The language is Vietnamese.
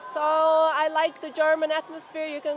tôi thích văn hóa việt nam